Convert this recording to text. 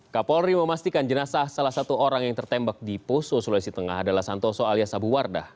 kapolri memastikan jenazah salah satu orang yang tertembak di poso sulawesi tengah adalah santoso alias abu wardah